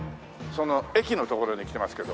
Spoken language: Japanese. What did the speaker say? その駅の所に来てますけど。